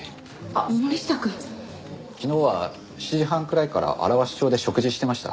あっ森下くん。昨日は７時半くらいから荒鷲町で食事してました。